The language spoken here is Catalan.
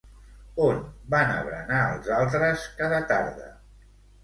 On van a berenar els altres cada tarda?